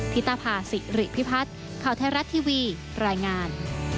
พิตาภาศิริพิพัฒน์เข้าแท้รัฐทีวีรายงาน